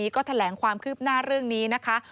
ก็แถลงความคืบหน้าเรื่องนี้นะคะ